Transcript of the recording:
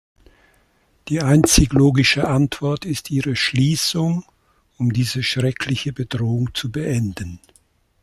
Die einzig logische Antwort ist ihre Schließung, um diese schreckliche Bedrohung zu beenden.